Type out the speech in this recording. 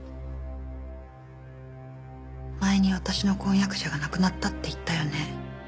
前に私の婚約者が亡くなったって言ったよね。